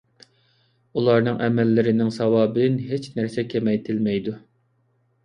ئۇلارنىڭ ئەمەللىرىنىڭ ساۋابىدىن ھېچ نەرسە كېمەيتىلمەيدۇ.